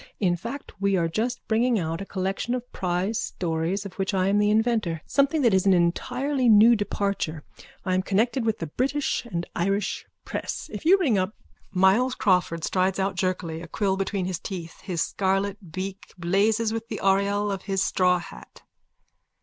In fact we are just bringing out a collection of prize stories of which I am the inventor, something that is an entirely new departure. I am connected with the British and Irish press. If you ring up... _(Myles Crawford strides out jerkily, a quill between his teeth. His scarlet beak blazes within the aureole of his straw hat.